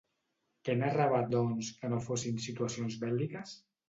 Què narrava, doncs, que no fossin situacions bèl·liques?